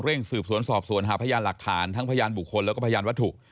สืบสวนสอบสวนหาพยานหลักฐานทั้งพยานบุคคลแล้วก็พยานวัตถุ